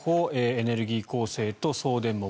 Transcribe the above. エネルギー構成と送電網